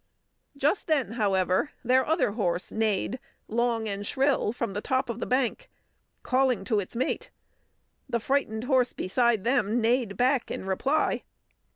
Just then, however, their other horse neighed long and shrill from the top of the bank, calling to its mate. The frightened horse beside them neighed back in reply.